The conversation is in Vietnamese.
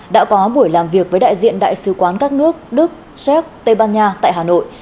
đã có buổi làm việc với đại diện đại sứ quán các nước đức séc tây ban nha tại hà nội